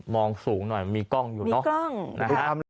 มองสูงหน่อยมีกล้องอยู่เนอะมีกล้องนะฮะ